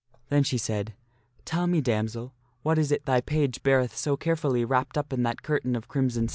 Then she said, " Tell me, damsel, what is that thy page beareth so carefully wrapped up in that curtain of crimson satin?"